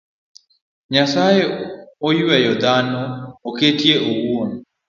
Nyasaye ochueyo dhano ekite owuon